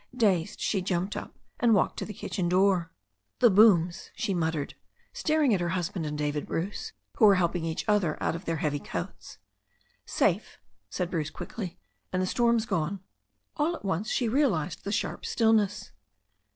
Dazed, she jumped up and walked to the kitchen door. "The booms,'* she muttered, staring at her husband and David Bruce, who were helping each other out of their heavy coats. "Safe," said Bruce quickly. "And the storm's gone." All at once she realized the sharp stillness.